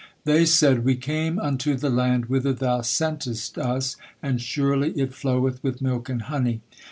They said: "We came unto the land whither thou sentest us, and surely it floweth with milk and honey."